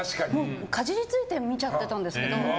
かじりついて見ちゃったんですけど。